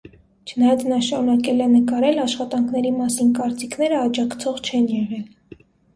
Չնայած նա շարունակել է նկարել, աշխատանքների մասին կարծիքներն աջակցող չեն եղել։